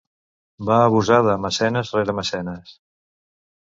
Va abusar de mecenes rere mecenes.